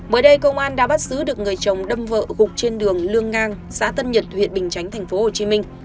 mới đây công an đã bắt giữ được người chồng đâm vợ gục trên đường lương ngang xã tân nhật huyện bình chánh tp hcm